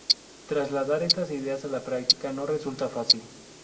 Trasladar estas ideas a la práctica no resulta fácil.